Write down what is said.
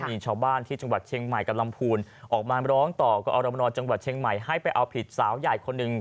มีชาวบ้านที่จังหวัดเชียงใหม่กับลำพูนออกมาร้องต่อกรมนจังหวัดเชียงใหม่ให้ไปเอาผิดสาวใหญ่คนหนึ่ง